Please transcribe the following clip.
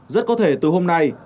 rất có thể từ hôm nay